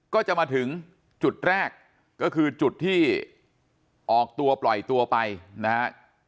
ก็จะมาถึงจุดแรกก็คือจุดที่ออกตัวปล่อยตัวไปนะฮะ